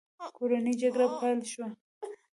کورنۍ جګړه پیل شوه.